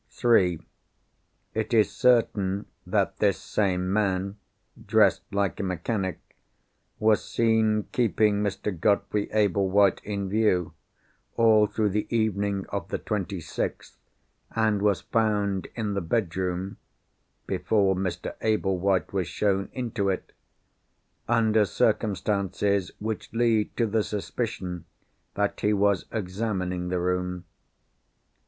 (3) It is certain that this same man dressed like a mechanic, was seen keeping Mr. Godfrey Ablewhite in view, all through the evening of the 26th, and was found in the bedroom (before Mr. Ablewhite was shown into it) under circumstances which lead to the suspicion that he was examining the room.